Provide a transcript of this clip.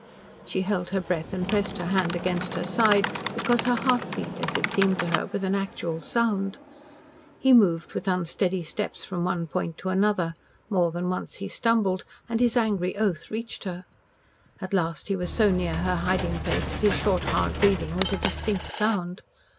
She held her breath and pressed her hand against her side, because her heart beat, as it seemed to her, with an actual sound. He moved with unsteady steps from one point to another, more than once he stumbled, and his angry oath reached her; at last he was so near her hiding place that his short hard breathing was a distinct sound.